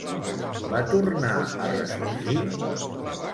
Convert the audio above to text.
Va tornar a ressorgir?